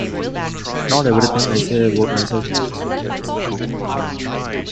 Not everything I say about myself on this website is true.